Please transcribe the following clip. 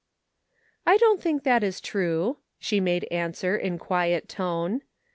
" I don't think that is true," she made an swer in quiet tone.